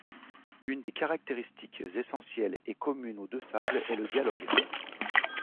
Une des caractéristiques essentielle et commune aux deux fables est le dialogue.